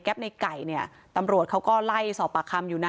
ในไก่เนี่ยตำรวจเขาก็ไล่สอบปากคำอยู่นะ